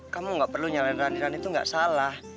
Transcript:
kamu gak perlu nyalahin rani rani tuh gak salah